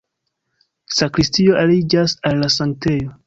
Sakristio aliĝas al la sanktejo.